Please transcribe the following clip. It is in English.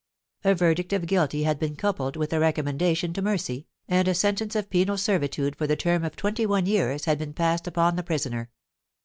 A verdict of guilty had been coupled with a recommendation to mercy, and a sentence of penal servitude for the term of twenty one years had been passed upon the prisoner.